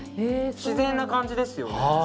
自然な感じですよね。